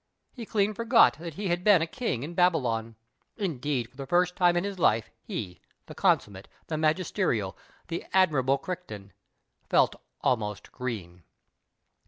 He clean forgot that he had been a King in Babylon. Indeed, for the first time in his life he, the consummate, the magisterial, the admirable Crichton, felt almost green.